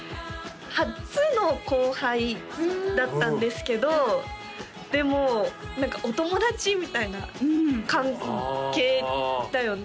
初の後輩だったんですけどでも何かお友達みたいな関係だよね？